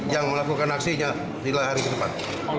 yang melakukan aksinya lima hari ke depan